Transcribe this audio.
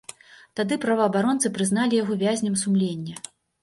Тады праваабаронцы прызналі яго вязнем сумлення.